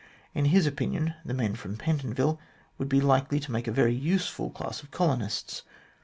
In his opinion, the men from Pentonville would be likely to make a very useful class of colonists.